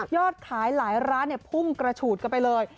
ขายหลายร้านพุ่งกระฉูดกันไปเลย